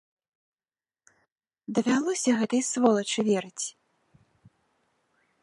Давялося гэтай сволачы верыць.